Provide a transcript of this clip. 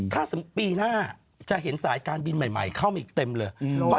ถ้าสมมุติปีหน้าจะเห็นสายการบินใหม่เข้ามาอีกเต็มเลย